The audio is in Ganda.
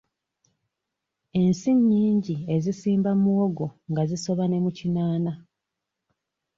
Ensi nnyingi ezisimba muwogo nga zisoba ne mu ekinaana.